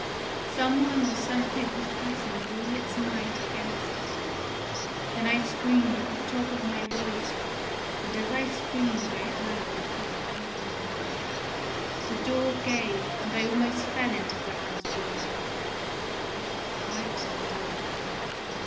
Some one or something was pressing with all its might against it. Then I screamed at the top of my voice, and as I screamed I heard the cock crow. "The door gave, and I almost fell into Braun's room. It was quite dark.